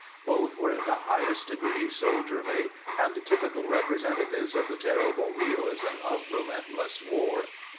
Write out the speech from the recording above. Both were in the highest degree soldierly, and typical representa tives of the terrible reaUsm of relentless war.